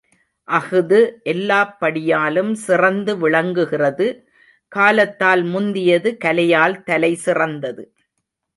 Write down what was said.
அஃது எல்லாப் படியாலும் சிறந்து விளங்குகிறது காலத்தால் முந்தியது கலையால் தலைசிறந்தது.